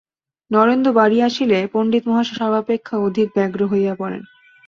নরেন্দ্র বাড়ি আসিলে পণ্ডিতমহাশয় সর্বাপেক্ষা অধিক ব্যগ্র হইয়া পড়েন।